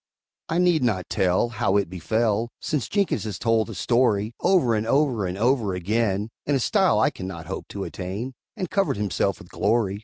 I need not tell How it befell, (Since Jenkins has told the story Over and over and over again In a style I can not hope to attain, And covered himself with glory!)